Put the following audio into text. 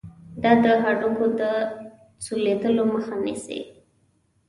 دا د هډوکو د سولیدلو مخه نیسي.